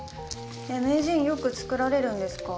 名人よく作られるんですか？